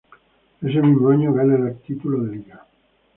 Ese mismo año gana el título de Liga.